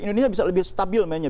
indonesia bisa lebih stabil mainnya